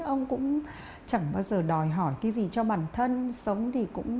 ông cũng chẳng bao giờ đòi hỏi cái gì cho bản thân sống